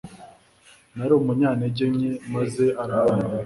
nari umunyantege nke, maze arantabara